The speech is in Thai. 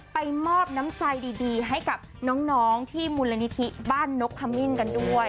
ไปมอบน้ำใจดีให้กับน้องที่มูลนิธิบ้านนกขมิ้นกันด้วย